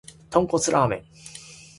豚骨ラーメン